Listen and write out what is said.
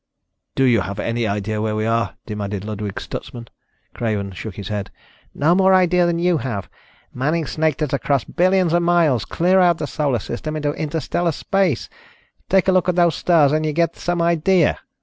"Do you have any idea where we are?" demanded Ludwig Stutsman. Craven shook his head. "No more idea than you have. Manning snaked us across billions of miles, clear out of the Solar System into interstellar space. Take a look at those stars and you get some idea."